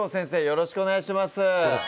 よろしくお願いします